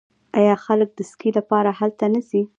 آیا خلک د سکي لپاره هلته نه ځي؟